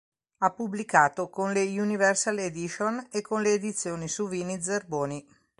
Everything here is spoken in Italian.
Ha pubblicato con le Universal Edition e con le Edizioni Suvini Zerboni.